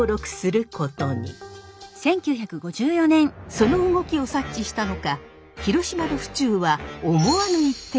その動きを察知したのか広島の府中は思わぬ一手に打って出ます。